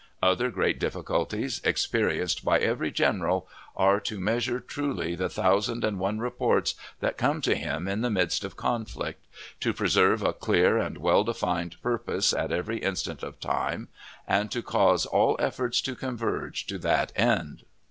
Other great difficulties, experienced by every general, are to measure truly the thousand and one reports that come to him in the midst of conflict; to preserve a clear and well defined purpose at every instant of time, and to cause all efforts to converge to that end.